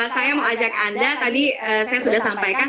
saya mau ajak anda tadi saya sudah sampaikan